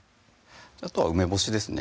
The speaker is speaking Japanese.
あとは梅干しですね